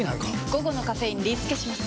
午後のカフェインリスケします！